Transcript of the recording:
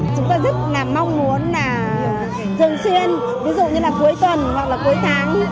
chúng ta rất là mong muốn là dường xuyên ví dụ như là cuối tuần hoặc là cuối tháng